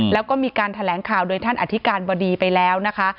แล้วก็มีการแถลงข่าวโดยท่านอธิการบดีไปแล้วนะคะ